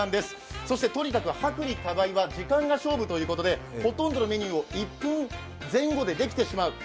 そしてとにかく薄利多売は時間が勝負ということでほとんどのメニューを１分前後でできてしまう。